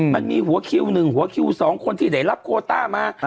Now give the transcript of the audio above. มันมีหัวคิวหนึ่งหัวคิวสองคนที่เดี๋ยวรับโกต้ามา